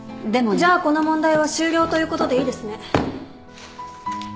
じゃあこの問題は終了ということでいいですね。